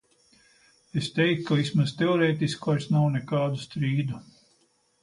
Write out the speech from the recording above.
Es teiktu, ka vismaz teorētiski vairs nav nekādu strīdu.